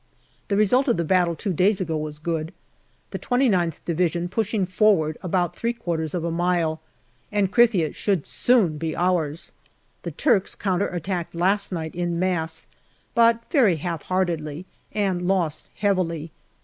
The result of the battle two days ago was good, the 29th Division pushing forward about three quarters of a mile, and Krithia should soon be ours. The Turks counter attacked last night in mass, but very half heartedly, and lost heavily.